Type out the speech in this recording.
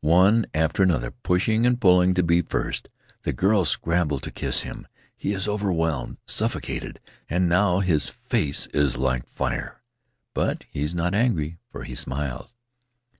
One after another, pushing and pulling to be first, the girls scramble to kiss him; he is overwhelmed, suffocated, and now his face is like fire, but he is not angry, for he smiles."